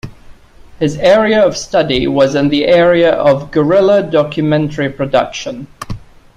His area of study was in the area of Guerrilla Documentary production.